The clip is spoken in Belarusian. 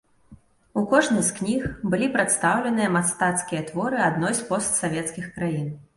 У кожнай з кніг былі прадстаўленыя мастацкія творы адной з постсавецкіх краін.